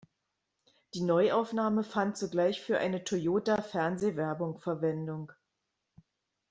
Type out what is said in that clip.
Die Neuaufnahme fand sogleich für eine Toyota-Fernsehwerbung Verwendung.